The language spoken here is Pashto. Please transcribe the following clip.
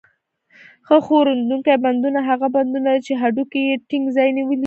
نه ښورېدونکي بندونه هغه بندونه دي چې هډوکي یې ټینګ ځای نیولی وي.